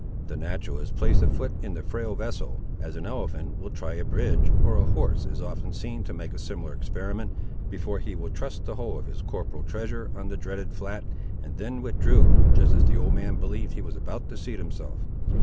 The naturalist placed a foot in the frail vessel, as an elephant will try a bridge, or a horse is often seen to make a similar experiment, before he will trust the whole of his corporeal treasure on the dreaded flat, and then withdrew, just as the old man believed he was about to seat himself.